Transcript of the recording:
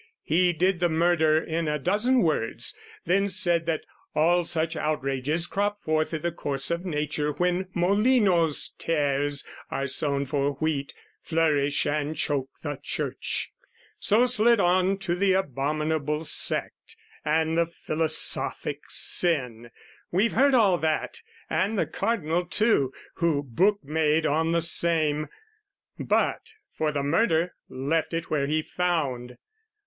He did the murder in a dozen words; Then said that all such outrages crop forth I' the course of nature, when Molinos' tares Are sown for wheat, flourish and choke the Church: So slid on to the abominable sect And the philosophic sin we've heard all that, And the Cardinal too (who book made on the same), But, for the murder, left it where he found.